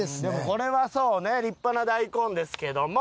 これはそうね立派な大根ですけども。